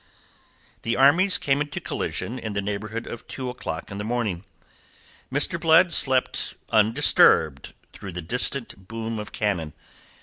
The armies came into collision in the neighbourhood of two o'clock in the morning. Mr. Blood slept undisturbed through the distant boom of cannon.